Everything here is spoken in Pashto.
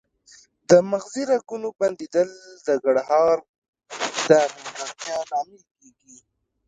د مغزي رګونو بندیدل د ګړهار د نیمګړتیا لامل کیږي